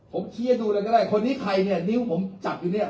ผมชี้ให้ดูเลยก็ได้คนนี้ใครเนี่ยนิ้วผมจับอยู่เนี่ย